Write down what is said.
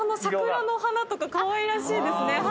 桜の花とかかわいらしいですね